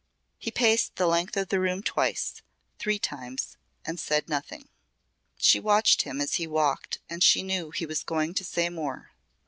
He paced the length of the room twice three times and said nothing. She watched him as he walked and she knew he was going to say more.